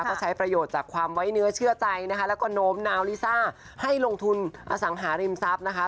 ก็ใช้ประโยชน์จากความไว้เนื้อเชื่อใจนะคะแล้วก็โน้มนาวลิซ่าให้ลงทุนอสังหาริมทรัพย์นะคะ